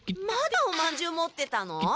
まだおまんじゅう持ってたの？